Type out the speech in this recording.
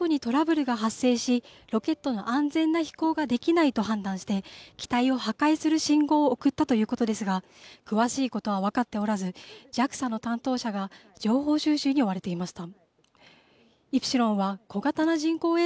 ＪＡＸＡ・宇宙航空研究開発機構によりますと打ち上げ後にトラブルが発生しロケットの安全な飛行ができないと判断して機体を破壊する信号を送ったということですが詳しいことは分かっておらずＪＡＸＡの担当者が情報収集に追われていました。